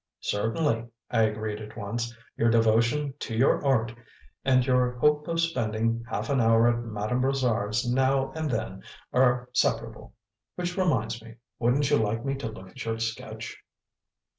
"Certainly," I agreed at once. "Your devotion to 'your art' and your hope of spending half an hour at Madame Brossard's now and then are separable; which reminds me: Wouldn't you like me to look at your sketch?"